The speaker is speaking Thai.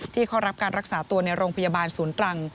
ที่เขารับการรักษาตัวในโรงพยาบาลศูนย์ตรัง